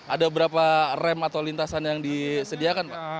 ada berapa rem atau lintasan yang disediakan pak